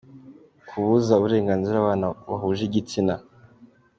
Kubuza uburenganzira ababana bahuje ibitsina